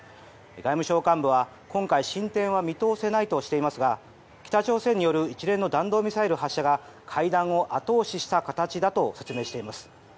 外務省幹部は今回進展は見通せないとしていますが北朝鮮による一連の弾道ミサイル発射が会談を後押しした形だと説明しています。